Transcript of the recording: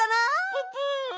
ププ。